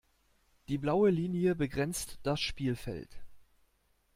Die blaue Linie begrenzt das Spielfeld.